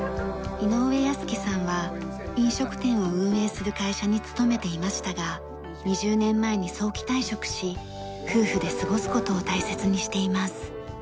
井上康紀さんは飲食店を運営する会社に勤めていましたが２０年前に早期退職し夫婦で過ごす事を大切にしています。